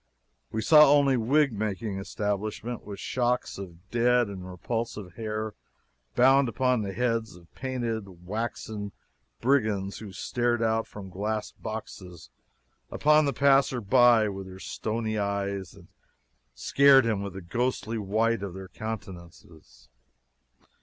We saw only wig making establishments, with shocks of dead and repulsive hair bound upon the heads of painted waxen brigands who stared out from glass boxes upon the passer by with their stony eyes and scared him with the ghostly white of their countenances.